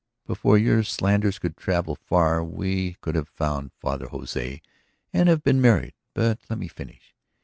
Before your slanders could travel far we could have found Father Jose and have been married. But let me finish.